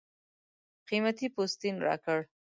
قېمتي پوستین راکړ.